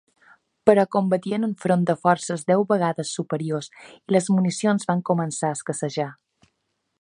Però combatien enfront de forces deu vegades superiors i les municions van començar a escassejar.